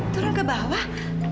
turun ke bawah